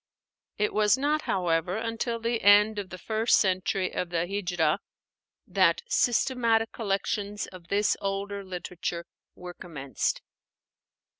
It was not, however, until the end of the first century of the Híjrah that systematic collections of this older literature were commenced.